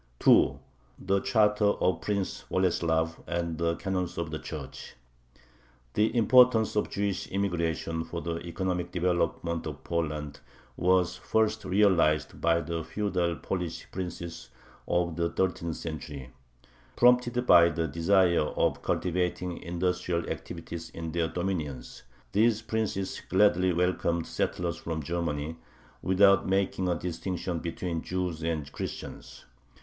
2. THE CHARTER OF PRINCE BOLESLAV AND THE CANONS OF THE CHURCH The importance of Jewish immigration for the economic development of Poland was first realized by the feudal Polish princes of the thirteenth century. Prompted by the desire of cultivating industrial activities in their dominions, these princes gladly welcomed settlers from Germany, without making a distinction between Jews and Christians.